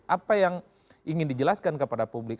apa yang ingin dijelaskan kepada publik